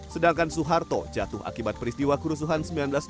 sedangkan soeharto jatuh akibat peristiwa kerusuhan seribu sembilan ratus sembilan puluh